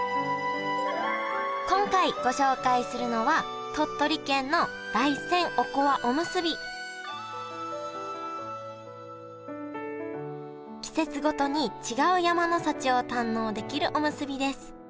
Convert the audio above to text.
今回ご紹介するのは季節ごとに違う山の幸を堪能できるおむすびです。